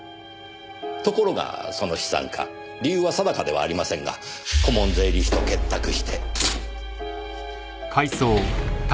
ところがその資産家理由は定かではありませんが顧問税理士と結託して。